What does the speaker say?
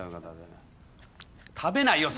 食べないよ